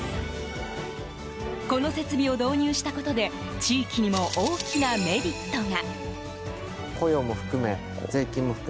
この設備を導入したことで地域にも大きなメリットが。